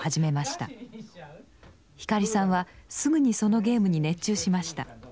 光さんはすぐにそのゲームに熱中しました。